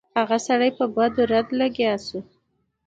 هغه سړی په بدو ردو لګیا شو.